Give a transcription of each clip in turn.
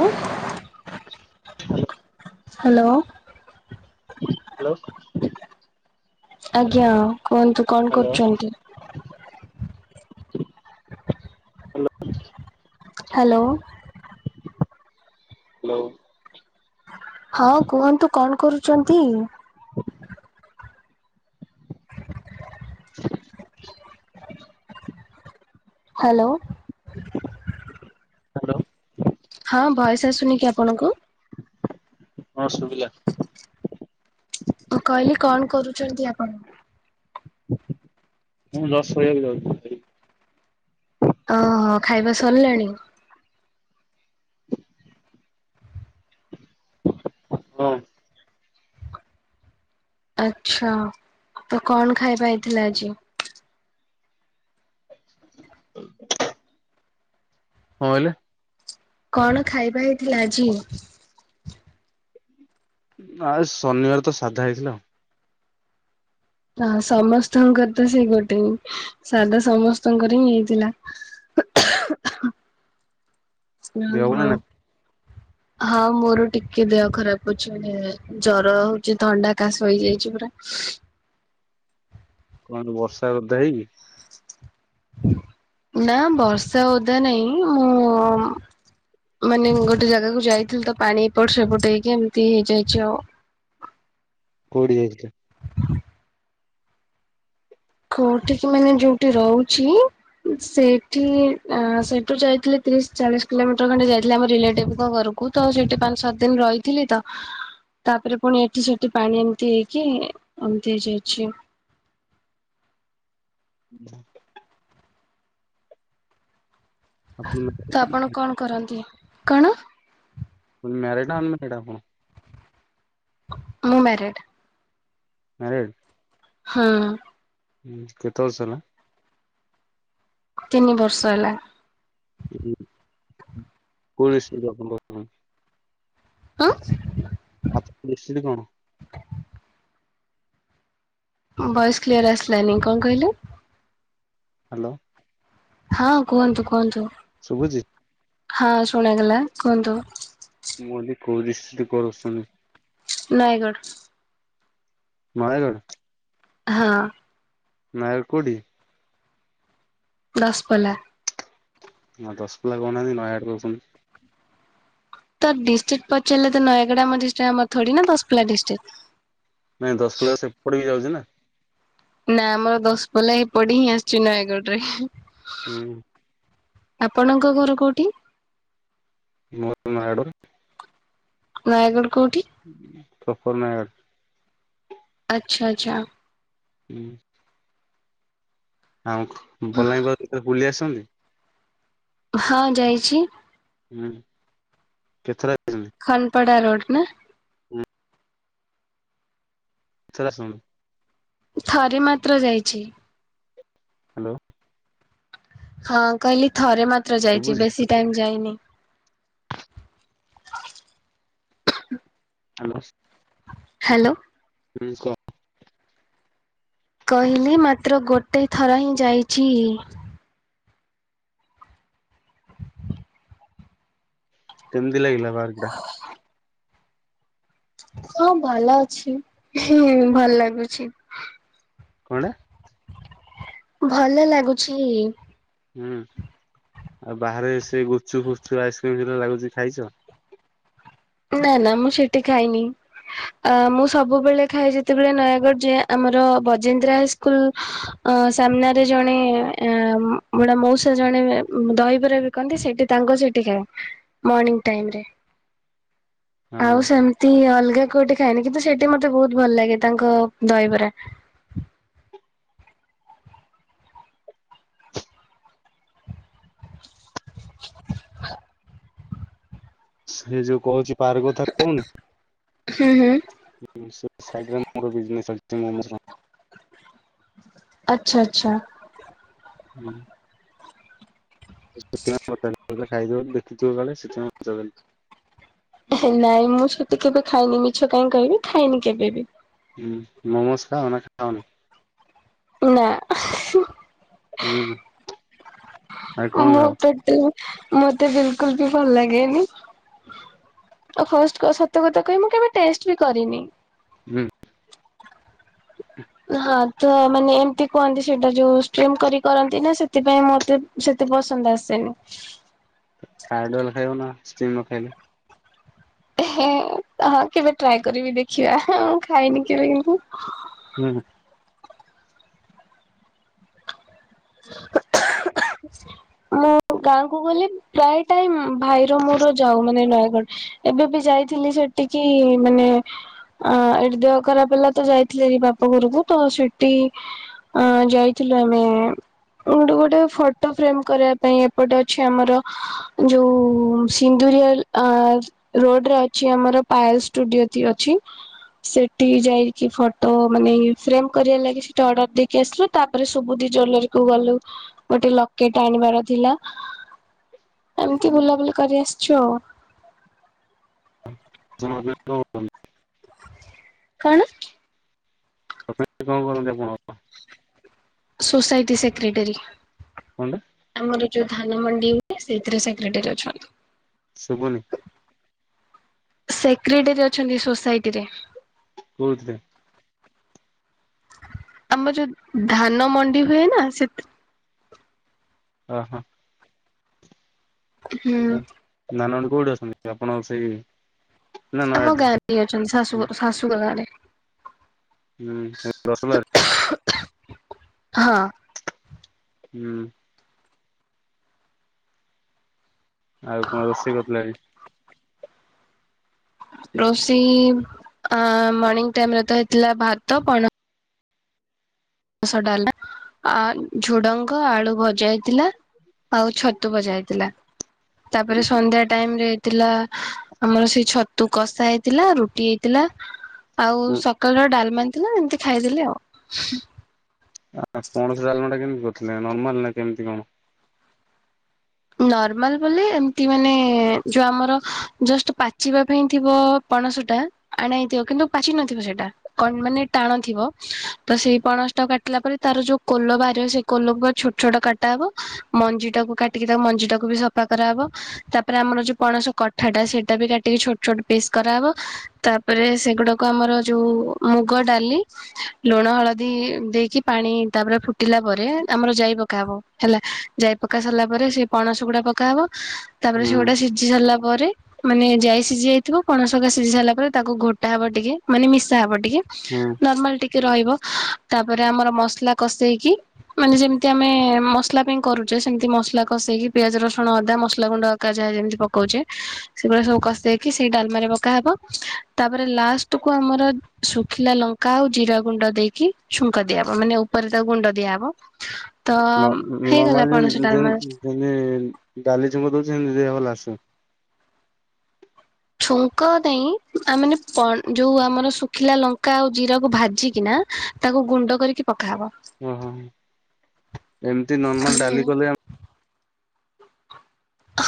ଆ। ହ [inaudible] hello. Hello. ଆଜ୍ଞା କୁହନ୍ତୁ କଣ ହ୍ୟାଲୋ କରୁଛନ୍ତି? ହ୍ୟାଲୋ। ହ୍ୟାଲୋ। ହଁ କୁହନ୍ତୁ କଣ କରୁଛନ୍ତି? ହ୍ୟାଲୋ। ହ୍ୟାଲୋ ହଁ ଭଏସ ଆସୁନି କି ଆପଣଙ୍କୁ? ହଁ ଶୁବିଲା। ମୁଁ କହିଲି କଣ କରୁଛନ୍ତି ଆପଣ? ମୁଁ ଜଷ୍ଟ ଶୋଇବାକୁ ଯାଉଥିଲି। ହଁ ଖାଇବା ସରିଲାଣି? ହଁ। କଣ ଆଛା ତ କଣ ଖାଇବା ହେଇଥିଲା ଆଜି। କଣ କହିଁଲେ? କଣ ଖାଇବା ହେଇଥିଲା ଆଜି? ନା ଆଜି ଶନିବାର ତ ସାଧା ହେଇଥିଲା ଆଉ। ହ ସମସ୍ତଙ୍କର ତ ସେଇ ଗୋଟେ ହି ସାଧା ସମସ୍ତଙ୍କର ହିଁ ହେଇଥିଲା। ଓ ଦେହ ଭଲ ହୋ। ନା ହଁ ମୋର ଟିକେ ଦେହ ଖରାପ ଅଛି। ଜର ହଉଛି ଥଣ୍ଡା କାଶ ହେଇଯାଇଛି ପୁରା। କଣ ବର୍ଷାରେ ଓଦା ହେଇକି। ନା ବର୍ଷା ଓଦା ନାଇଁ ମୁଁ ମାନେ ଗୋଟେ ଜାଗାକୁ ଯାଇଥିଲି ତ ପାଣି ଏପଟ ସେପଟ ହେଇକି ଏମିତି ହେଇଯାଇଛି ଆଉ। କୋଉଠି ଯାଇଥିଲେ? କୋଉଠିକି ମାନେ ଯୋଉଠି ରହୁଛି। ସେଇଠି ସେଇଠୁ ଯାଇଥିଲି ତିରିଶ ଚାଳିଶ କିଲୋମିଟର ଖଣ୍ଡେ ଯାଇଥିଲେ ଆମ ରିଲେଟିଭଙ୍କ ଘରକୁ। କୁ ତ ସେଇଠି ପାଞ୍ଚ ସାତ ଦିନ ରହିଥିଲି ତ। ତାପରେ ପୁଣି ଏଠି ସେଠି ପାଣି ଏମିତି ହେଇକି ଏମତି ହେଇଯାଇଛି। [inaudible] ଆପଣ ତ ଆପଣ କଣ କରନ୍ତି କଣ? ମ୍ୟାରେଡ ନା ଅନମ୍ୟାରେଡ ଆପଣ? ମୁଁ ମ୍ୟାରେଡ। ମ୍ୟାରେଡ। ହଁ। ହୁଁ କେତେ ବର୍ଷ ହେଲା? ତିନି ବର୍ଷ ହେଲା। [unintelligible] ଉଁ। ଆଜି ରୋଷେଇ କଣ? ଭଏସ କ୍ଲିୟର ଆସିଲାନି କଣ କହିଲେ? ହ୍ୟାଲୋ। ହଁ କୁହନ୍ତୁ କୁହନ୍ତୁ? ଶୁଭୁଛିି। ହଁ ଶୁଣାଗଲା କୁହନ୍ତୁ? [unintelligible] ନୟାଗଡ଼। ନୟାଗଡ଼? ହଁ। ନୟାଗଡ଼ କୋଉଠି? ଦଶପଲା। ହଁ ଦଶପଲା କହୁନାହାନ୍ତି ନୟଗଡ଼ କହୁଛନ୍ତି। ତ ଡିଷ୍ଟ୍ରିକ୍ ପଚାରିଲେ ତ ନୟାଗଡ଼ ଆମ ଡିଷ୍ଟ୍ରିକ୍ ଆମର ଥୋଡ଼ି ନା ଦଶପଲା ଆମ ଡିଷ୍ଟ୍ରିକ୍। ନାଇଁ ଦଶପଲା ସେପଟେ ବି ଯାଉଛି ନା। ନା ଆମର ଦଶପଲା ଏପଟେ ହିଁ ଆଶୁଛି ନୟାଗଡ଼ରେ ହୁଁ। ଆପଣଙ୍କ ଘର କୋଉଠି? [unintelligible] ନୟାଗଡ଼। ନୟାଗଡ଼ କୋଉଠି? ହୁଁ ତପ ନା ଆଚ୍ଛା ଆଚ୍ଛା। ହୁଁ। ଆଉ ଭଲାଙ୍ଗୀ ଆଡ଼େ ବୁଲି ଆସଛନ୍ତି। ହଁ ଯାଇଛି। ହୁଁ କେତେ ଥର ଖାନ୍ ପଡ଼ା ରୋଡ଼ ନା? ହୁଁ [unintelligible] ଥରେ ମାତ୍ର ଯାଇଛି। ହ୍ୟାଲୋ। ହଁ କହିଲି ଥରେ ମାତ୍ର ଯାଇଚି ଶୁଭୁଛି? ବେଶୀ ଟାଇମ୍ ଯାଇନି। [unintelligible] ହ୍ୟାଲୋ। [unintelligible] କହିଲି ମାତ୍ର ଗୋଟେ ଥର ହିଁ ଯାଇଛି। କେମିତି କହିବି ଲାଗିଲା ବାର୍ଗଟା? ହଁ ଭଲ ଅଛି ଭଲ୍ ଲାଗୁଛି। କଣଟା? ଭଲ ଲାଗୁଛି। ହୁଁ। ଆଉ ବାହାରେ ସେ ଗୁପଚୁପ ଫୁଚୁପ୍ ଆଇସ୍କ୍ରିମ୍ ଯୋଉଗୁଡ଼ା ଲାଗୁଛି ଖାଇଛ? ନା ନା ମୁଁ ସେଠି ଖାଇନି। ଆ ମୁଁ ସବୁବେଳେ ଖାଏ ଯେତେବେଳେ ନୟାଗଡ଼ ଯାଏ ଆମର ବଜେନ୍ଦ୍ରା ହାଇସ୍ ସ୍କୁଲ୍ ସାମ୍ନାରେ ଜଣେ ଏଁ ବୁଢ଼ା ମଉସା ଜଣେ ଦହିବରା ବି କନ୍ତି ସେଠି ତାଙ୍କ ସେଠି ଖାଏ। ମର୍ନିଙ୍ଗ ଟାଇମ୍ ରେ। ହଁ ଆଉ ସେମତି ଅଲଗା କୋଉଠି ଖାଏନି। କିନ୍ତୁ ସେଠି ମତେ ବହୁତ ଭଲ ଲାଗେ ତାଙ୍କ ଦହିବରା। [inaudible] ସେ ଯୋଉ କହୁଛି ପାର୍ କଥା କହୁନି ହୁଁ ହୁଁ। ସେଇ ସାଇଟ୍ ରେ ମୋର ବିଜନେସ୍ ଅଛି [unintelligible] ଆଚ୍ଛା ଆଚ୍ଛା। ହୁଁ। [unintelligible] ନାଇଁ ମୁଁ ସେଠି କେବେ ଖାଇନି ମିଛ କାଇହିଁ କହିବି। ଖାଇନି କେବେ ବି। ହୁଁ ମୋମୋସ ଖାଅ ନା ଖାଅନି? ନା ହୁଁ ଆଉ କଣ ମୋ ଖାଅ? ପେଟକୁ ମତେ ବିଲକୁଲ ବି ଭଲ ଲାଗେନି। ଆଉ ଫାଷ୍ଟ ସତ କଥା କହିଵି ମୁଁ କେବେ ଟେଷ୍ଟ ବି କରିନି। ହୁଁ। ହଁ ତୋ ମାନେ ଏମିତି କୁହନ୍ତି ସେଇଟା ଯୋଉ ଷ୍ଟ୍ରିମ କରି କରନ୍ତି ନା ସେଥିପାଇଁ ମତେ ସେତେ ପସନ୍ଦ ଆସେନି। ଆଇଡଲ ଖାଇବ ନା ଷ୍ଟିମ ନଖାଇଲେ। ଏ କେବେ ଟ୍ରାଏ କରିବି ଦେଖିବା ମୁଁ ଖାଇନି କେବେ କିନ୍ତୁ। ହୁଁ। [unintelligible] ମୁଁ ଗାଁକୁ ଗଲେ ପ୍ରାୟ ଟାଇମ ଭାଇର ମୋର ଯାଉ ମାନେ ନୟାଗଡ। ଏବେ ବି ଯାଇଥିଲି ସେଠିକି ମାନେ ଅ ଏଠି ଦେହ ଖରାପ ହେଲା ତ ଯାଇଥିଲି ଭାରି ବାପ ଘରକୁ ତ ସେଠି ଅ ଯାଇଥିଲୁ ଆମେ ଅ ଗୋଟେ ଗୋଟେ ଫଟୋ ଫ୍ରେମ କରିବା ପାଇଁ ଏପଟେ ଅଛି ଆମର ଯୋଉ ସିନ୍ଦୁରିଆଲ ରୋଡ ରେ ଅଛି ଆମର ପାଏଲ ଷ୍ଟୁଡିଓ ଟି ଅଛି। ସେଠି ଯାଇକି ଫଟୋ ମାନେ ଫ୍ରେମ କରିବା ଲାଗି ସେଠା ଅର୍ଡର ଦେଇକି ଆସିଲୁ। ତାପରେ ସୁବୁଧି ଜୁଏଲାରୀ କୁ ଗଲୁ ଗୋଟେ ଲକେଟ ଆଣିବାର ଥିଲା। ଏମିତି ବୁଲାବୁଲି କରି ଆସିଛୁ ଆଉ। [unintelligible] କଣ? [unintelligible] କଣ କରନ୍ତି ଆପଣ? Society secretary. କଣ୍ଟେ। ଆମର ଯୋଉ ଧାନ ମଣ୍ଡି ହୁଏ ସେଥିରେ ସେକ୍ରେଟାରୀ ଅଛନ୍ତି। ଶୁଭୁନି। ସେକ୍ରେଟାରୀ ଅଛନ୍ତି ସୋସାଇଟି ରେ। କଉ ଥିରେ। ଆମର ଯୋଉ ଧାନ ମଣ୍ଡି ହୁଏ ନା ସେ ହଁ ହଁ। ହୁଁ। [unintelligible] ଆପଣଙ୍କ ର ସେଇ ନା ଆମ ନୟାଗଡ଼ରେ ଗାଁରେ ଯିଏ ଅଛନ୍ତି ଶାଶୁ ଶାଶୁଙ୍କ ଗାଁରେ। [unintelligible] ହଁ। ହୁଁ। ଆଉ କଣ ରୋଷେଇ କରିଥିଲେ ଆଜି? ରୋଷେଇ ମର୍ଣିଂ ଟାଇମରେ ତ ହେଇଥିଲା ଭାତ ପଣ ମସୁର ଡାଲି ଆଉ ଝୁଡଙ୍ଗ ଆଳୁ ଭଜା ହେଇଥିଲା। ଆଉ ଛତୁ ବଜା ହେଥିଲା ତାପରେ ସନ୍ଧ୍ୟା ଟାଇମ ରେ ଥିଲା ଆମର ସେଇ ଛତୁ କଷା ହେଇଥିଲା ରୁଟି ହେଇଥିଲା। ଆଉ ସକାଳର ଡାଲମା ଥିଲା ଏମିତି ଖାଇଦେଲେ ଆଉ। ଆ ପଣସ ଡାଲମାଟା କେମିତି କରିଥିଲେ ନର୍ମାଲ ନା କେମିତି କଣ? ନର୍ମାଲ ବୋଲି ଏମତି ମାନେ ଯୋଉ ଆମର ଜଷ୍ଟ ପାଚିବା ପାଇଁ ଥିବ। ପଣସ ଟା ଆଣେଇଥିବ କିନ୍ତୁ ପାଚି ନଥିବ ସେଇଟା। କଣ ମାନେ ଟାଣ ଥିବ ତ ସେଇ ପଣସ ଟା କାଟିଲା ପରେ ତାର ଯୋଉ କୋଲ ବାହାରିବ ସେଇ। କୋଲପୁଆ ଛୋଟ ଛୋଟ କଟା ହବ ମଞ୍ଜି ଟାକୁ କାଟିକି ତାକୁ ମଞ୍ଜି ଟାକୁ ବି ସଫା କରାହେବ। ତାପରେ ଆମର ଯୋଉ ପଣସ କଠା ଟା ସେଇଟା ବି କାଟିକି ଛୋଟ ଛୋଟ ପିସ୍ କରାହେବ। ତାପରେ ସେଗୁଡାକ ଆମର ଯୋଉ ମୁଗ ଡାଲି। ଲୁଣ ହଳଦୀ ଦେଇକି ପାଣି ତାପରେ ଫୁଟିଲା ପରେ ଆମର ଯାଇ ପକାହବ। ହେଲା ଯାଇ ପକା ସାରିଲା ପରେ ସେ ପଣସ ଗୁଡା ପକାହବ ତାପରେ ହୁଁ ସେଗୁଡା ସିଝି ସାରିଲା ପରେ ମାନେ ଯାଇ ସିଝି ଯାଇଥିବ ପଣସକା ସିଝି ସାରା ପରେ ତାକୁ ଘୋଟା ହବ ଟିକେ ମାନେ ମିଶା ହବ ଟିକେ ହୁଁ। ନର୍ମାଲ ଟିକେ ରହିବ ତାପରେ ଆମର ମସଲା କଷେଇକି ମାନେ ଯେମିତି ଆମେ ମସଲା ପାଇଁ କରୁଛେ ସେମିତି ମସଲା କଷେଇକି ପିଆଜ ରସୁଣ ଅଦା ମସଲା ଗୁଣ୍ଡ ଯାହା ଯେମିତି ପକଉଛ ସେଗୁଡା ସବୁ କଷେଇକି ସେଇ ଡାଲମାରେ ପକା ହେବ ତାପରେ ଲାଷ୍ଟ କୁ ଆମର ଶୁଖିଲା ଲଙ୍କା ଲଙ୍କା ଆଉ ଜିରା ଗୁଣ୍ଡ ଦେଇକି ଛୁଙ୍କା ଦିଆହବ ମାନେ ଉପରେ ତାକୁ ଗୁଣ୍ଡ ଦିଆହେବ ତ ହେଇଗଲା ନର୍ମାଲି ପଣସ ଡାଲମା। ଯେମିତି ଡାଲି ଛୁଙ୍କ ଦଉଛ ସେମିତି [inaudible] ଛୁଙ୍କ ନାଇଁ ଆ ମାନେ ଯୋଉଁ ଆମର ଶୁଖିଲା ଲଙ୍କା ଆଉ ଜିରାକୁ ଭାଜିକିନା ତାକୁ ଗୁଣ୍ଡ କରିକି ପକାହବ। ହ ଏମିତି ନର୍ମାଲ ଡାଲି କଲେ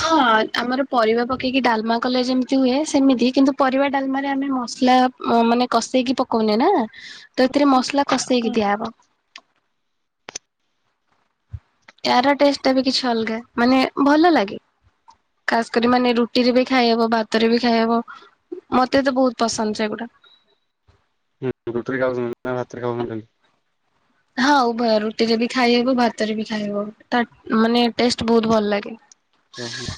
ହଁ ଆମର ପରିବା ପକେଇକି ଡାଲମା କଲେ ଯେମିତି ହୁଏ ସେମିତି କିନ୍ତୁ ପରିବା ଡାଲମାରେ ଆମେ ମସଲା ମୋ ମାନେ କଷେଇକି ପକଉନେ ନା। ତ ଏଥିରେ ମସଲା କଷେଇକି ଦିଆହବ। ଆର ଟେଷ୍ଟ ଟା ବି କିଛି ଅଲଗା। ମାନେ ଭଲ ଲାଗେ। ଖାସ୍ କରି ମାନେ ରୁଟିରେ ବି ଖାଇହବ। ଭାତରେ ବି ଖାଇହବ। ମୋତେ ତ ବହୁତ ପସନ୍ଦ ସେ ଗୁଡା। ହୁଁ ରୁଟିରେ ଖାଉଚନ୍ତି ନା ଭାତରେ ଖାଉଚନ୍ତି? ହଁ ଉଭୟ ରୁଟିରେ ବି ଖାଇହବ ଭାତରେ ବି ଖାଇହବ। ତା ମାନେ ଟେଷ୍ଟ ବହୁତ ଭଲ ଲାଗେ। ହ [unintelligible] ଅହୋ।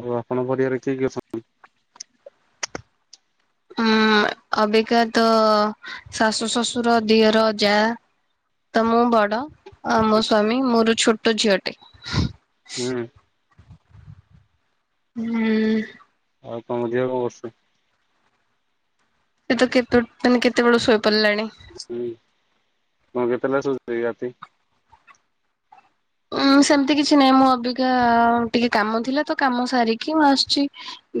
ଆଉ ଆପଣଙ୍କ ପରିବାରରେ କିଏ କିଏ ଅଛନ୍ତି? ଅଁ ଅବିକା ତ ଶାଶୁ ଶଶୁର ଦିଅର ଯା। ତ ମୁଁ ବଡ। ଆଉ ମୋ ସ୍ଵାମୀ ମୋର ଛୋଟ ଝିଅଟେ। ହୁଁ। ହୁଁ। ଆଉ କଣ ଦିଅର କଣ କରୁସି? ସେ ତ କେତୋ ଟାନେ କେତେବେଳୁ ଶୋଇପଡିଲାଣି। ହୁଁ ତମେ କେତେବେଳେ ଶୋଉଚକି ରାତି? ଉଁ ସେମିତି କିଛି ନାହିଁ। ମୁଁ ଅବିକା ଟିକେ କାମ ଥିଲା ତ କାମ ସାରିକି ମୁଁ ଆସୁଚି।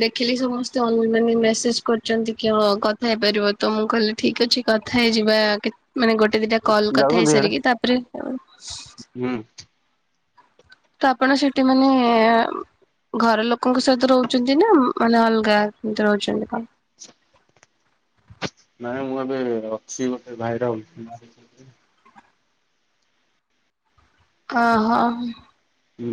ଦେଖିଲି ସମସ୍ତେ ଅଲନାଇନ ମେସେଜ କରିଚନ୍ତି। କିଅଣ କଥା ହେଇପାରିବ ତ? ମୁଁ କହିଲି ଠିକ ଅଛି କଥା ହେଇଯିବା। କେ ମାନେ ଗୋଟେ ଦିଟା କଲ କଥା ହେଇ ଯାଉଛନ୍ତି ଇଆଡେ ସାରିକି। ତାପରେ ହୁଁ। ତ ଆପଣ ସେଟି ମାନେ ଘର ଲୋକଙ୍କ ସହିତ ରହୁଚନ୍ତି ନା। ମାନେ ଅଲଗା କେମିତି ରହୁଚନ୍ତି କଣ? ଆଛା। ନାଇଁ ମୁଁ ଏବେ ଅଛି ଗୋଟେ ଭାଇରା [unintelligible] ହଁ ହଁ। ହୁଁ।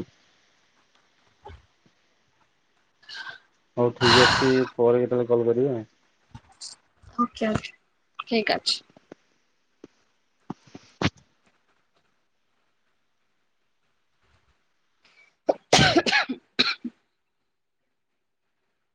ହଉ ଠିକ୍ ଅଛି ପରେ କେତେ ବେଳେ କଲ କରିବେ? ଓକେ-ଓକେ ଠିକ ଅଛି। ଖେ-ଖେ ଖୁ। [unintelligible]